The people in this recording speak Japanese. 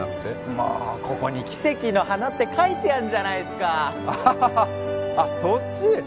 もうここに「奇石の花」って書いてあるじゃないすかアハハハハあっそっち？